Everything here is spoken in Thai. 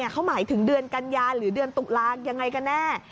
เขาหมายถึงเดือนกัญญาหรือเดือนตุลายังไงกันแน่